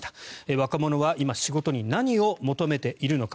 若者は今仕事に何を求めているのか。